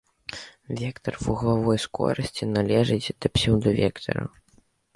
Вектар вуглавой скорасці належыць да псеўдавектараў.